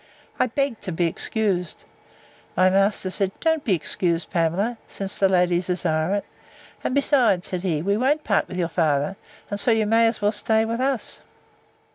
I begged to be excused. My master said, Don't be excused, Pamela, since the ladies desire it: And besides, said he, we won't part with your father; and so you may as well stay with us.